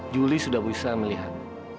julie sudah bisa melihat